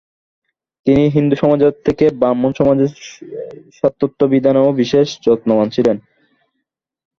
তিনি হিন্দুসমাজের থেকে ব্রাহ্মসমাজের স্বাতন্ত্রবিধানেও বিশেষ যত্নবান ছিলেন।